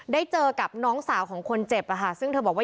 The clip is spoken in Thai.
ได้เจอกับน้องสาวของคนเจ็บซึ่งเธอบอกว่า